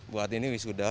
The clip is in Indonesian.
buat ini wisudah